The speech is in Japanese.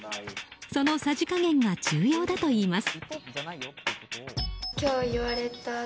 そのさじ加減が重要だといいます。